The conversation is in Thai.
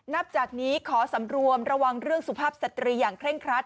นับจากนี้ขอสำรวมระวังเรื่องสุภาพสตรีอย่างเคร่งครัด